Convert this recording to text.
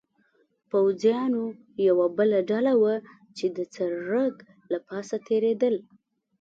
پوځیانو یوه بله ډله وه، چې د سړک له پاسه تېرېدل.